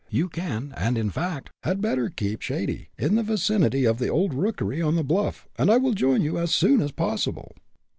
You can, and in fact, had better keep shady, in the vicinity of the old rookery on the bluff, and I will join you, as soon as possible."